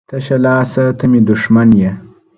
تشه لاسه ته مې دښمن یې